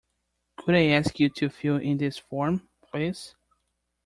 Could I ask you to fill in this form, please?